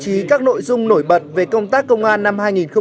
chủ trì các nội dung nổi bật về công tác công an năm hai nghìn một mươi chín